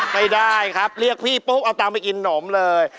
ไม่ได้ครับเรียกพี่ปุ๊บเอาตังค์ไปกินหนมเลย